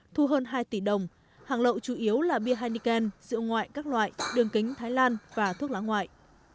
thu hơn hai tỷ đồng hàng lậu chủ yếu là bia heineken rượu ngoại các loại đường kính thái lan và thuốc lá ngoại